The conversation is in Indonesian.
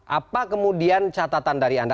apa kemudian catatan dari anda